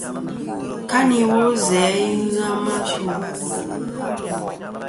Kàŋtɨ iwo zɨ a i ghɨ a ma tu.